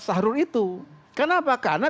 sahrur itu kenapa karena